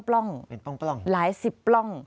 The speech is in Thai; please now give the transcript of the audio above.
เป็นปล่อง